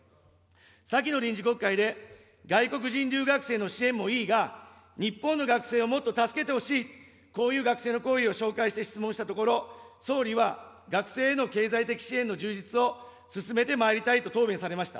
先の臨時国会で、外国人留学生の支援もいいが、日本の学生をもっと助けてほしい、こういう学生の声を紹介して質問したところ、総理は学生への経済的支援の充実を進めてまいりたいと答弁されました。